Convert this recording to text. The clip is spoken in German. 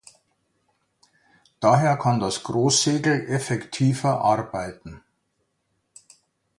Daher kann das Großsegel effektiver arbeiten.